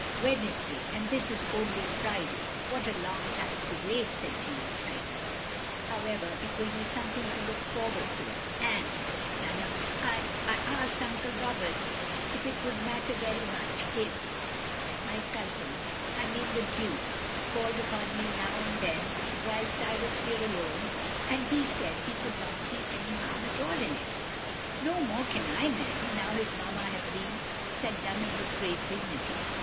"Wednesday, and this is only Friday. What a long time to wait," said Jeanne, excitedly. "However, it will be something to look forward to. And, Mrs. Dunham, I — I asked Uncle Roberts if it would matter very much if — ^if my cousin — I mean the Duke— called upon me now and then, whilst I was here alone — ^and he said he cotild not see any harm at all in it. "" No more can I, ma'am, now his mamma have been," said Dunham, with great dignity.